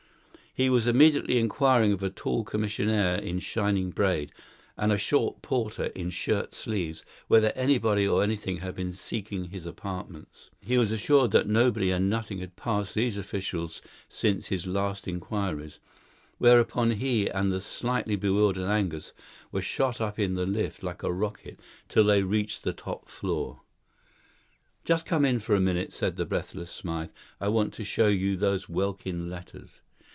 He was immediately inquiring of a tall commissionaire in shining braid, and a short porter in shirt sleeves, whether anybody or anything had been seeking his apartments. He was assured that nobody and nothing had passed these officials since his last inquiries; whereupon he and the slightly bewildered Angus were shot up in the lift like a rocket, till they reached the top floor. "Just come in for a minute," said the breathless Smythe. "I want to show you those Welkin letters.